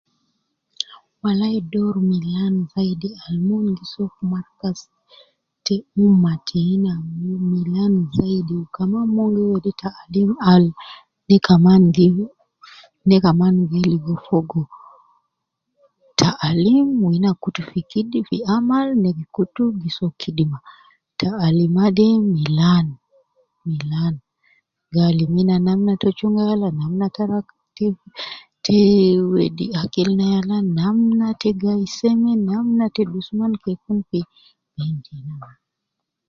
Walai dor Milan zaidi taalim